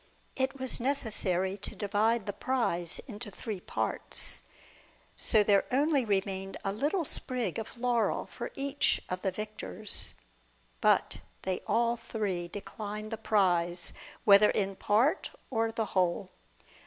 It was necessary to divide the prize into three parts, so there only remained a little sprig of laurel for each of the victors. But they all three declined the prize, whether in part or the whole.